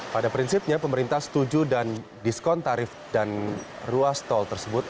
pada prinsipnya pemerintah setuju dan diskon tarif dan ruas tol tersebut